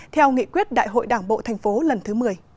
theo nghị quyết đại hội đảng bộ thành phố lần thứ một mươi